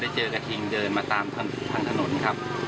เจอกระทิงเดินมาตามทางถนนครับ